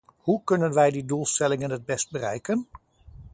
Hoe kunnen wij die doelstellingen het best bereiken?